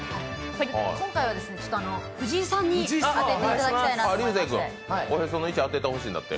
今回は藤井さんに当てていただきたいなと思いまして。